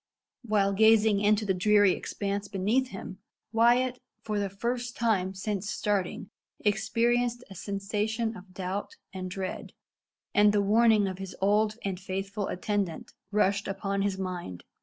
While gazing into the dreary expanse beneath him, Wyat for the first time since starting experienced a sensation of doubt and dread; and the warning of his old and faithful attendant rushed upon his mind.